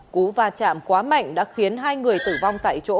cú và chạm quá mạnh đã khiến hai người tử vong tại chỗ